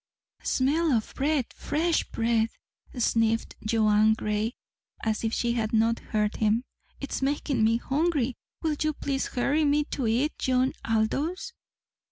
"Smell o' bread fresh bread!" sniffed Joanne Gray, as if she had not heard him. "It's making me hungry. Will you please hurry me to it, John Aldous?"